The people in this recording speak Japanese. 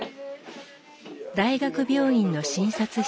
大学病院の診察室。